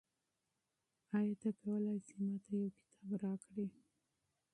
آیا ته کولای سې ما ته یو کتاب راکړې؟